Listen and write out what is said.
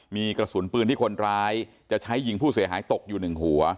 มีกระสุนปืนที่คนร้ายจะใช้ยิงผู้เสียหายตกอยู่หนึ่งหัว